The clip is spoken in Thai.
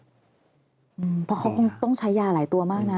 เพราะเขาคงต้องใช้ยาหลายตัวมากนะ